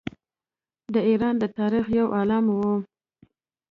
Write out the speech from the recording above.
د ایران د تاریخ یو عالم وو.